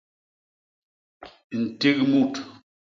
Ntik mut.